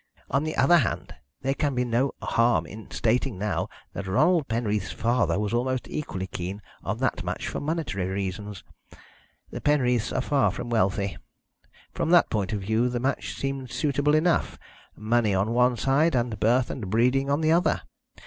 On the other hand, there can be no harm in stating now that Ronald Penreath's father was almost equally keen on that match for monetary reasons. The Penreaths are far from wealthy. From that point of view the match seemed suitable enough money on one side, and birth and breeding on the other.